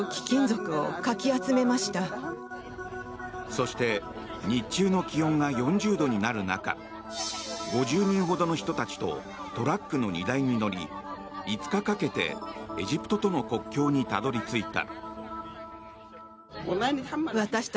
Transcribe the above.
そして日中の気温が４０度になる中５０人ほどの人たちとトラックの荷台に乗り５日かけてエジプトとの国境にたどり着いた。